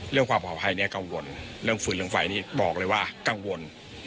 เรื่องความปลอดภัยเนี่ยกังวลเรื่องฝุ่นเรื่องไฟนี่บอกเลยว่ากังวล